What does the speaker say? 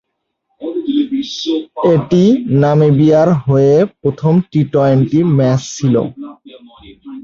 এটি নামিবিয়ার হয়ে প্রথম টি-টোয়েন্টি ম্যাচ ছিল।